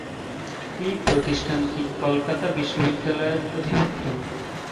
এই প্রতিষ্ঠানটি কলকাতা বিশ্ববিদ্যালয়ের অধিভুক্ত।